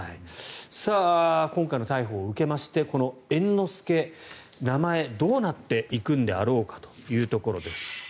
今回の逮捕を受けまして猿之助という名前どうなっていくんであろうかというところです。